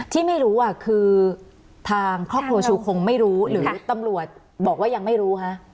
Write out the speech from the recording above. ที่ไม่รู้คือทางครอบครัวชูคงไม่รู้หรือตำรวจบอกว่ายังไม่รู้ฮะ